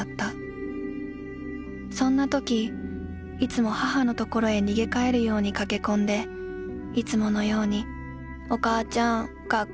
そんな時いつも母の所へ逃げ帰るように駆け込んでいつものように『お母ちゃん学校行くのいやだいやだ』